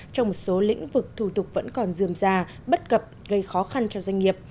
trong một số lĩnh vực thủ tục vẫn còn dườm già bất cập gây khó khăn cho doanh nghiệp